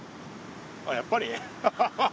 あっやっぱり？ハハハ！